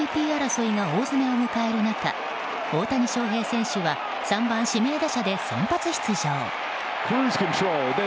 ＭＶＰ争いが大詰めを迎える中大谷翔平選手は３番指名打者で先発出場。